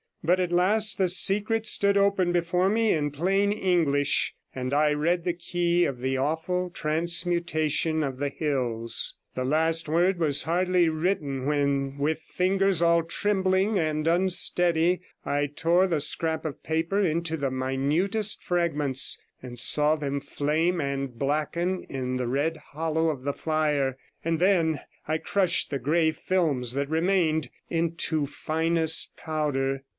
But at last the secret stood open before me in plain English, and I read the key of the awful transmutation of the hills. The last word was hardly written, when with fingers all trembling and unsteady I tore the scrap of paper into the minutest fragments, and saw them flame and 79 blacken in the red hollow of the fire, and then I crushed the grey films that remained into finest powder.